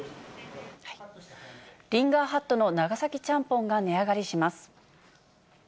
リンガーハットの長崎ちゃんぽんが値上がりします。